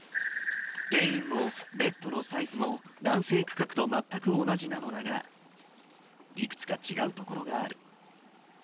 定員もベッドのサイズも男性区画と全く同じなのだが、いくつか違う所がある。